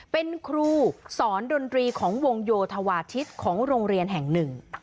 เป็นครูสอนดนตรีของวงโยธวาทิศของโรงเรียนแห่งหนึ่ง